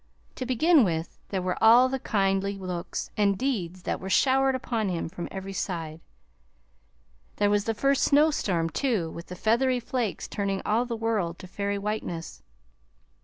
To begin with, there were all the kindly looks and deeds that were showered upon him from every side. There was the first snowstorm, too, with the feathery flakes turning all the world to fairy whiteness.